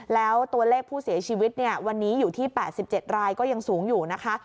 แล้วตัวเลขผู้เสียชีวิตวันนี้อยู่ที่๘๗รายก็ยังสูงอยู่นะคะ